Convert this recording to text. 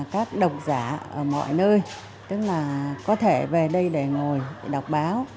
các đọc giả ở mọi nơi có thể về đây để ngồi đọc báo